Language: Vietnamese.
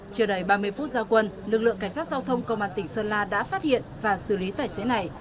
chưa đầy ba mươi phút giao quân lực lượng cảnh sát giao thông công an tỉnh sơn la đã phát hiện và xử lý tài xế này